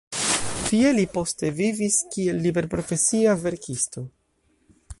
Tie li poste vivis kiel liberprofesia verkisto.